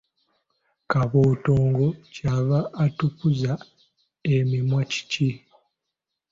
Kabootongo, Kyava atukuza emimwa kiki?